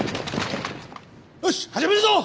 よし始めるぞ！